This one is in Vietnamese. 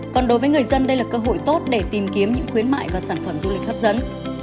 còn đối với người dân đây là cơ hội tốt để tìm kiếm những khuyến mại và sản phẩm du lịch hấp dẫn